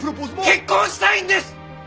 結婚したいんです！